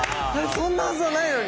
そんなはずはないのに。